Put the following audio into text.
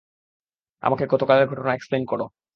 আমাকে গতকালের ঘটনা এক্সপ্লেইন করো।